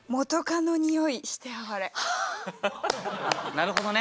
なるほどね。